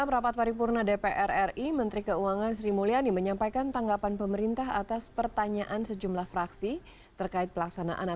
pertumbuhan ekonomi terjadi karena meningkatnya investasi dan impor barang modal